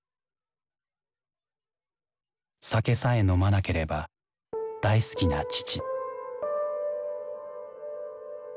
酒さえ飲まなければ大好きな父。